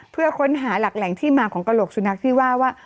เพื่อค้นหาหลักแหล่งที่มาของกระโหลกสุนัขที่ว่าว่า